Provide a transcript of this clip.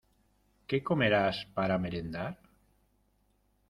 ¿Qué comerás para merendar?